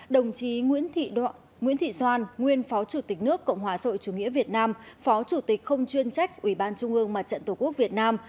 đồng chí nguyễn thị doan nguyên phó chủ tịch nước cộng hòa sội chủ nghĩa việt nam phó chủ tịch không chuyên trách ubnd mặt trận tổ quốc việt nam